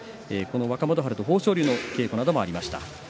若元春と豊昇龍の稽古などもありました。